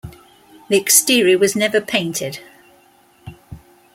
The exterior was never painted.